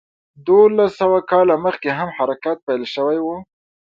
دولس سوه کاله مخکې هم حرکت پیل شوی و.